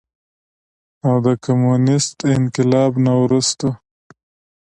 او د کميونسټ انقلاب نه وروستو